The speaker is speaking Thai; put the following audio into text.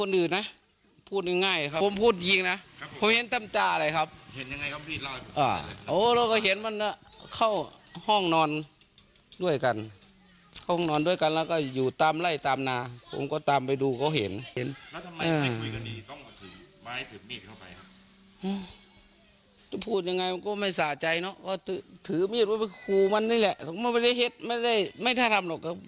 ถือไม่ได้คลุมันนี่แหละไม่ได้เฮ็ดไม่ได้ทำหรอก